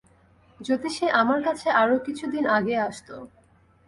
যদি সে আমার কাছে আরো কিছু দিন আগে আসত।